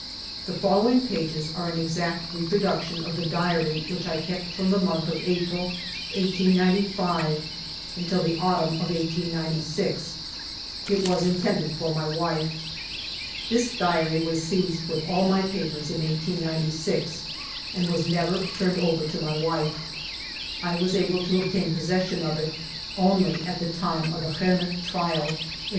The following pages are an exact reproduction of the diary which I kept from the month of April, 1895, until the autumn of 1896. It was intended for my wife. This diary was seized with all my papers in 1896 and was never turned over to my wife. I was able to obtain posses sion of it only at the time of the Rennes trial in 1899.